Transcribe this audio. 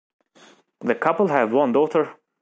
The couple have one daughter.